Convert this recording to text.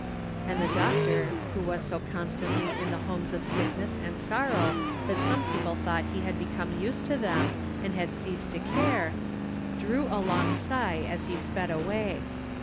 And the doctor, who was so constantly in the homes of sickness and sorrow that some people thought he had become used to them and had ceased to care, drew a long sigh, as he sped away.